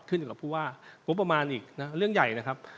อยู่กับผู้ว่างบประมาณอีกนะเรื่องใหญ่นะครับ